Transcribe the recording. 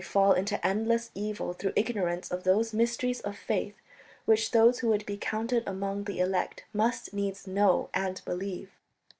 fall into endless evil through ignorance of those mysteries of faith which those who would be counted among the elect must needs know and believe."